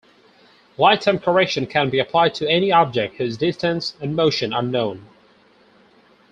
Light-time correction can be applied to any object whose distance and motion are known.